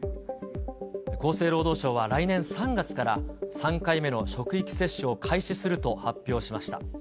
厚生労働省は来年３月から３回目の職域接種を開始すると発表しま